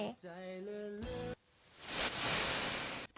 ถ้าไม่รักอ่ะ